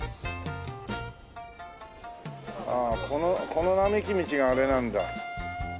ああこの並木道があれなんだ。